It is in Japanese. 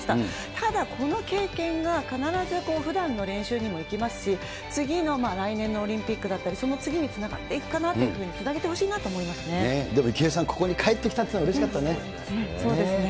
ただこの経験が、必ずふだんの練習にも生きますし、次の来年のオリンピックだったり、その次につながっていくかなというふうに、つなげてほしいなと思でも、池江さん、ここに帰っそうですね。